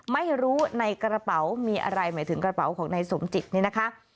ไม่รู้ในกระเป๋ามีอะไรหมายถึงกระเป๋าของนายสมจิตนี่นะคะ